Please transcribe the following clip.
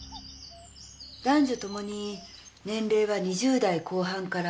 男女ともに年齢は２０代後半から３０代前半。